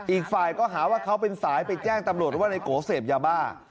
อีกฝ่ายก็หาว่าเขาเป็นสายไปแจ้งตำรวจว่านายโกเสพยาบ้า